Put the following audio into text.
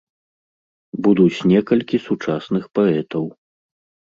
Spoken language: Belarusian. Будуць некалькі сучасных паэтаў.